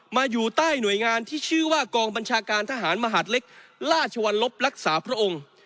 อยู่ใต้หน่วยงานที่ชื่อว่ากองบัญชาการทหารมหาดเล็กราชวรรลบรักษาพระองค์